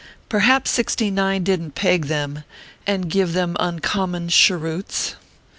Perhaps Sixty nine didn t peg them, And give them uncommon cheroots